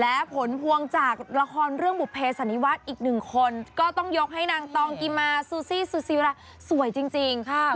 และผลพวงจากละครเรื่องบุภเสันนิวัฒน์อีกหนึ่งคนก็ต้องยกให้นางตองกิมาซูซี่ซูซีราสวยจริงค่ะ